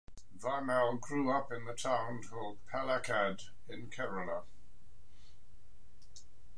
Vimal grew up in the town called Palakkad in Kerala.